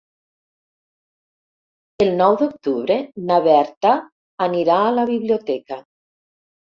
El nou d'octubre na Berta anirà a la biblioteca.